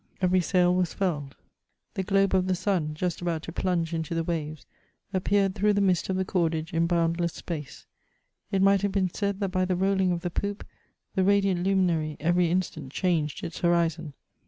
Every sail was furled. The globe of the sun, just about to plunge into the waves, ap peared through the mist of the cordage in boundless space ; it might have been said that by the rolling of the poop, the radiant luminary every instant changed its horizon.